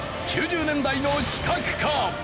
９０年代の刺客か？